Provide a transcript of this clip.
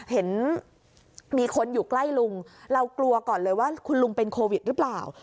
เห็นมีคนอยู่ใกล้ลุงเรากลัวก่อนเลยว่าคุณลุงเป็นโควิดหรือเปล่า